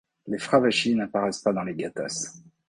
Les fravashis n'apparaissent pas dans les Gathas.